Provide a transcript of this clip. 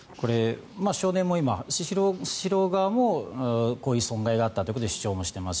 少年側もスシロー側もこういう損害があったということで主張しています。